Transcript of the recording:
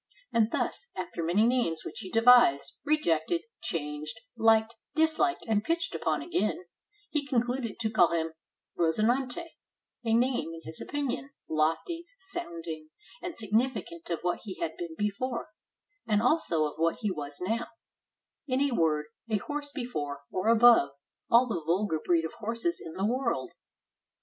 And thus after many names which he devised, rejected, changed, liked, disliked, and pitched upon again, he con cluded to call him Rozinante; a name, in his opinion, lofty, sounding, and significant of what he had been before, and also of what he was now: in a word, a horse before, or above, all the vulgar breed of horses in the world.